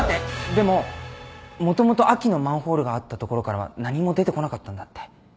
でももともと秋のマンホールがあったところからは何も出てこなかったんだって。